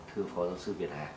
thưa phó giáo sư việt hà